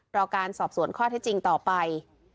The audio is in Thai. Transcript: รอการสอบสวนข้อเท็จจริงต่อไป